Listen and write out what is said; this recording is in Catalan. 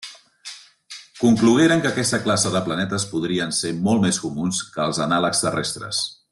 Conclogueren que aquesta classe de planetes podrien ser molt més comuns que els anàlegs terrestres.